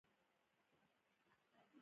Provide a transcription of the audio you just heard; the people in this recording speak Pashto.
انرژي په کار بدلېږي.